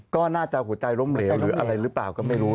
ก็น่าจะหัวใจล้มเหลวหรืออะไรหรือเปล่าก็ไม่รู้